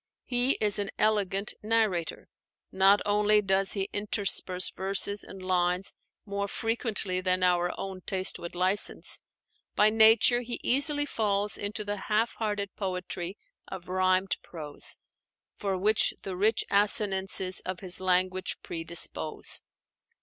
He is an elegant narrator. Not only does he intersperse verses and lines more frequently than our own taste would license: by nature, he easily falls into the half hearted poetry of rhymed prose, for which the rich assonances of his language predispose.